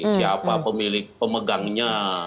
siapa pemilik pemegangnya